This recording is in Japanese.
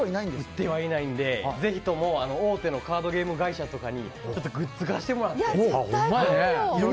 売ってはいないんでぜひとも大手のカードゲーム会社とかにグッズ化してもらって。